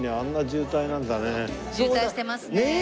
渋滞してますね。